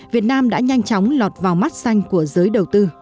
việt nam đã nhanh chóng lọt vào mắt xanh của giới đầu tư